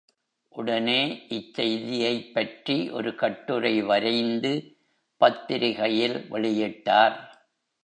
உடனே இச் செய்தியைப்பற்றி ஒரு கட்டுரை வரைந்து, பத்திரிகையில் வெளியிட்டார்.